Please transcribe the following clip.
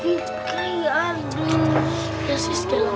fikri dimana kamu